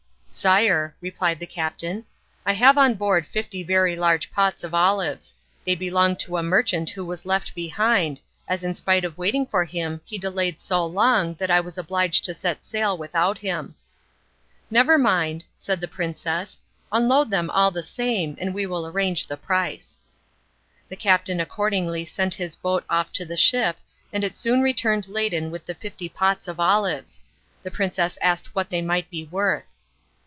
"Sire," replied the captain, "I have on board fifty very large pots of olives. They belong to a merchant who was left behind, as in spite of waiting for him he delayed so long that I was obliged to set sail without him." "Never mind," said the princess, "unload them all the same, and we will arrange the price." The captain accordingly sent his boat off to the ship and it soon returned laden with the fifty pots of olives. The princess asked what they might be worth.